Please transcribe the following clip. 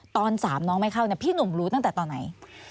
ตอน๓น้องไม่เข้าพี่หนุ่มรู้ตั้งแต่ตอนไหน